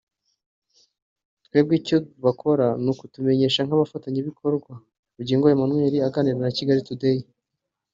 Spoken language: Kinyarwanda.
twebwe icyo bakora ni ukutumenyesha nk’abafatanyabikorwa" Bugingo Emmanuel aganira na Kigali Today